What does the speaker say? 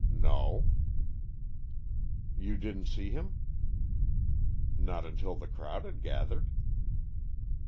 "No." "You didn't see him?" "Not until the crowd had gathered."